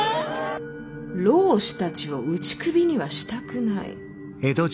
浪士たちを打ち首にはしたくない。